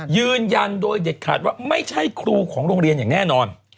ยืนยันโดยเด็ดขาดว่าไม่ใช่ครูของโรงเรียนอย่างแน่นอน